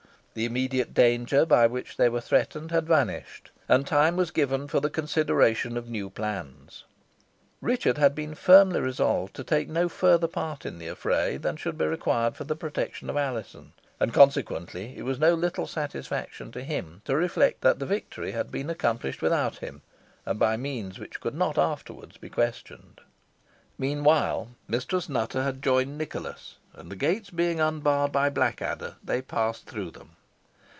The immediate danger by which they were threatened had vanished, and time was given for the consideration of new plans. Richard had been firmly resolved to take no further part in the affray than should be required for the protection of Alizon, and, consequently, it was no little satisfaction to him to reflect that the victory had been accomplished without him, and by means which could not afterwards be questioned. Meanwhile, Mistress Nutter had joined Nicholas, and the gates being unbarred by Blackadder, they passed through them.